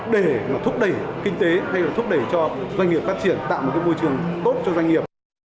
để mà thúc đẩy kinh tế hay là thúc đẩy cho doanh nghiệp phát triển tạo một cái môi trường tốt cho doanh nghiệp